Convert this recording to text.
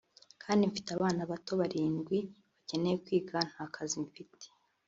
kandi mfite abana bato barindwi bakeneye kwiga nta n’akazi mfite